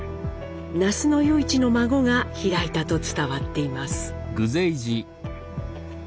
那須与一の孫が開いたと伝わっています。